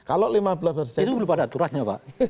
itu belum ada aturannya pak